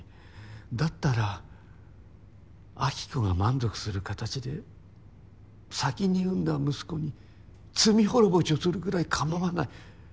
だったら暁子が満足する形で先に産んだ息子に罪滅ぼしをするぐらい構わない。